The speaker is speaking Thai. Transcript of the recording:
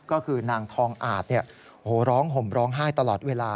ก็คือนางทองอาจร้องห่มร้องไห้ตลอดเวลา